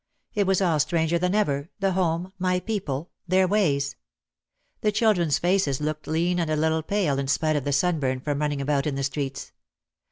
It was all stranger than ever, the home, my people; their ways. The children's faces looked lean and a little pale in spite of the sunburn from running about in the streets.